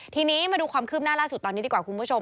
ทีนี้มาดูความคืบหน้าล่าสุดตอนนี้ดีกว่าคุณผู้ชม